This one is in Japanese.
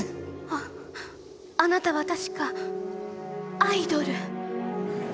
ああなたは確かアイドル。